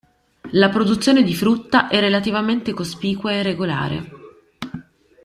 La produzione di frutta è relativamente cospicua e regolare.